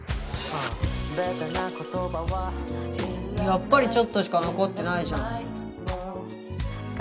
やっぱりちょっとしか残ってないじゃん。